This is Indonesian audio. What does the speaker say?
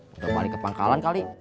udah balik ke pangkalan kali